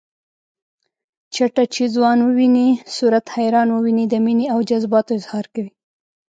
چټه چې ځوان وويني صورت حیران وويني د مینې او جذباتو اظهار کوي